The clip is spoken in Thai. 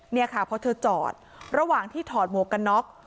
เนี่ยค่ะเพราะเธอจอดระหว่างที่ถอดหมวกกันน็อก